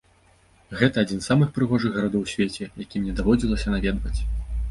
Гэта адзін з самых прыгожых гарадоў у свеце, які мне даводзілася наведваць.